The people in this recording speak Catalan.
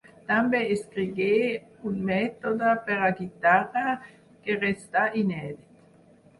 També escrigué un mètode per a guitarra, que restà inèdit.